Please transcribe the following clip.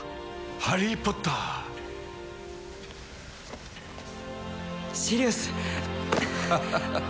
ハリー・ポッターシリウス！